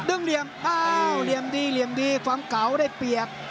เหลี่ยมอ้าวเหลี่ยมดีเหลี่ยมดีความเก่าได้เปรียบ